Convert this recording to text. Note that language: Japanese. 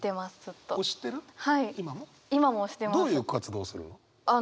どういう活動するの？